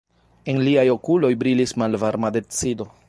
En liaj okuloj brilis malvarma decido.